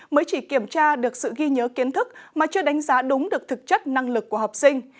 mới chỉ kiểm tra được sự ghi nhớ kiến thức mà chưa đánh giá đúng được thực chất năng lực của học sinh